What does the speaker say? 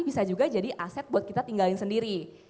bisa juga jadi aset buat kita tinggalin sendiri